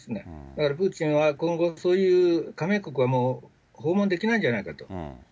だからプーチンは今後そういう加盟国はもう、訪問できないんじゃないかと。